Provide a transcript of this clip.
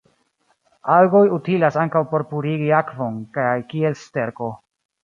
Algoj utilas ankaŭ por purigi akvon kaj kiel sterko.